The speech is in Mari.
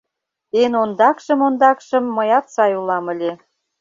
Эн окдакшым-ондакшым мыят сай улам ыле